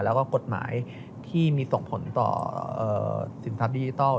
แล้วก็กฎหมายที่มีส่งผลต่อสินทรัพดิจิทัล